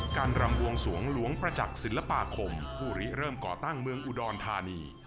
รำบวงสวงหลวงประจักษ์ศิลปาคมผู้ริเริ่มก่อตั้งเมืองอุดรธานี